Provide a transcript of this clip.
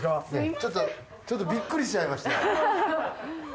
ちょっとちょっとビックリしちゃいました。